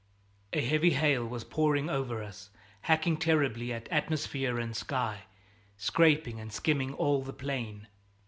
A heavy hail was pouring over us, hacking terribly at atmosphere and sky, scraping and skimming all the plain.